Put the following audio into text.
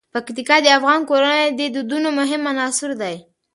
پکتیکا د افغان کورنیو د دودونو مهم عنصر دی.